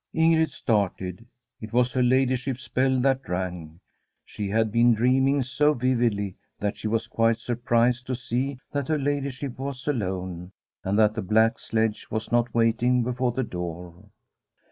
... Ingrid started ; it was her ladyship's bell that rang. She had been dreaming so vividly that she was quite surprised to see that her ladyship was alone, and that the black sledge was not waiting before the door.